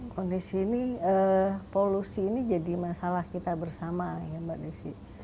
kondisi ini polusi ini jadi masalah kita bersama ya mbak desi